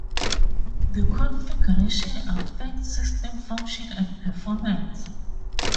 The configuration affects system function and performance.